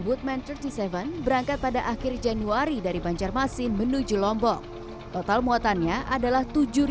woodman tiga puluh tujuh berangkat pada akhir januari dari banjarmasin menuju lombok total muatannya adalah